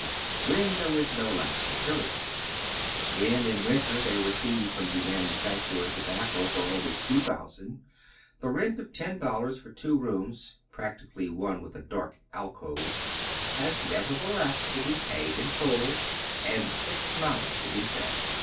25 wlien there is no lack of material ; when in winter they receive from the manufacturer tobacco for onlj two thon sand, the rent of $10 for two rooms, practically one with a dark alcove, liaa nevertheless to be paid in full, and six months to be fed.